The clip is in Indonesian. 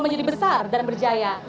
menjadi besar dan berjaya